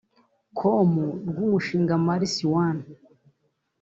com/ rw’umushinga Mars One